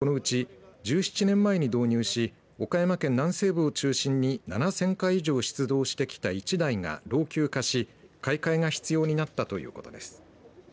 病院によりますとこのうち１７年前に導入し岡山県南西部を中心に７０００回以上出動してきた１台が老朽化し買い替えが必要になったということです。